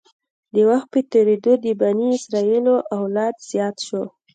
د وخت په تېرېدو د بني اسرایلو اولاد زیات شو.